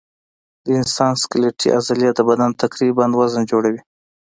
د انسان سکلیټي عضلې د بدن تقریباً وزن جوړوي.